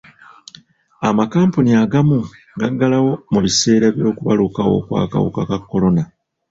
Amakampuni agagamu gaggalawo mu biseera by'okubalukawo kw'akawuka ka kolona.